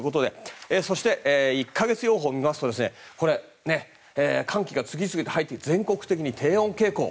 そして、１か月予報を見ますと寒気が次々に入ってきて全国的に低温傾向。